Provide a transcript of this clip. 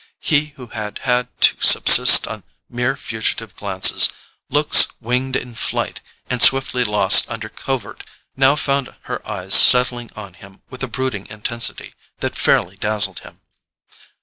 He who had had to subsist on mere fugitive glances, looks winged in flight and swiftly lost under covert, now found her eyes settling on him with a brooding intensity that fairly dazzled him.